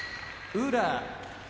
宇良